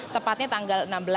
tepatnya tanggal enam belas